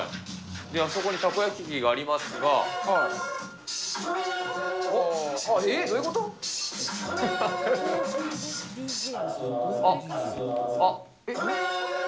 あそこにたこ焼き器がありまえっ？